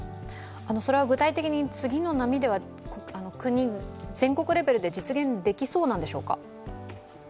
それは具体的に次の波では全国レベルで実現できそうなんでしょうか。